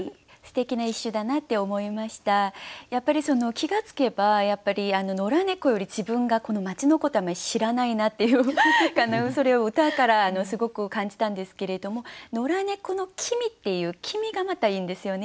気が付けばやっぱり野良猫より自分がこの町のことあんまり知らないなっていうそれを歌からすごく感じたんですけれども「ノラ猫の君」っていう「君」がまたいいんですよね。